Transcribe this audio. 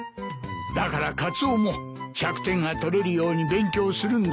だからカツオも１００点が取れるように勉強するんだな。